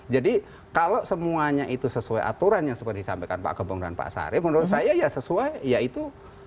jadi kalau semuanya itu sesuai aturan yang seperti disampaikan pak gembong dan pak sarif menurut saya ya sesuai ya itu